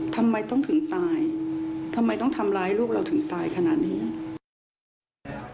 ทำไมต้องถึงตายทำไมต้องทำร้ายลูกเราถึงตายขนาดนี้